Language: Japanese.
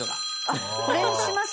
あっこれにします